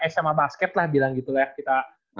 sma basket lah bilang gitu ya kita